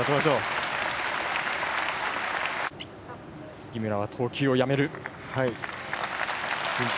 杉村は投球をやめる。